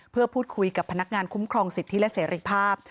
เพื่อพูดคุยกับพนักงานคุ้มครองสิทธิและเสรีภาพ